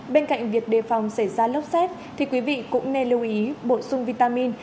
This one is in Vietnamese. bên cạnh việc đề phòng xảy ra lốc xét thì quý vị cũng nên lưu ý bổ sung vitamin